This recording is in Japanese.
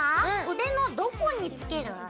腕のどこに着ける？